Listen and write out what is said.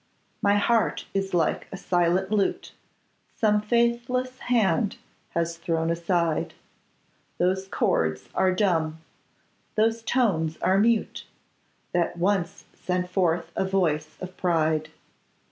My heart is like a silent lute Some faithless hand has thrown aside; Those chords are dumb, those tones are mute, That once sent forth a voice of pride!